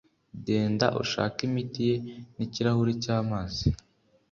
Genda ushake imiti ye nikirahure cyamazi.